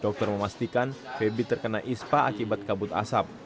dokter memastikan febi terkena ispa akibat kabut asap